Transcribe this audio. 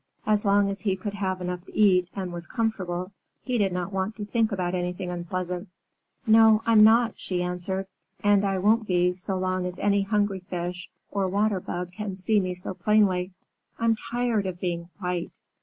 As long as he could have enough to eat and was comfortable, he did not want to think about anything unpleasant. "No, I'm not," she answered, "and I won't be so long as any hungry fish or water bug can see me so plainly. I'm tired of being white."